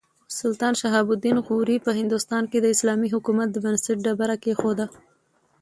سلطان شهاب الدین غوري په هندوستان کې د اسلامي حکومت د بنسټ ډبره کېښوده.